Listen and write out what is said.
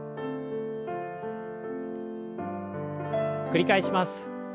繰り返します。